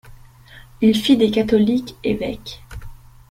Il fit des catholiques évêques.